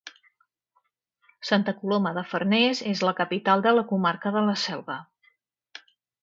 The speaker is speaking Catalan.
Santa Coloma de Farners és la capital de la comarca de la Selva.